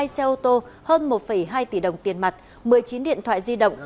hai xe ô tô hơn một hai tỷ đồng tiền mặt một mươi chín điện thoại di động